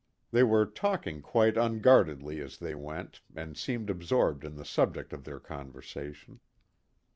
They were talking quite unguardedly as they went, and seemed absorbed in the subject of their conversation.